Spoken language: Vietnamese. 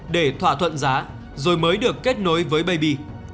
để thỏa thuận giá rồi mới được kết nối với baby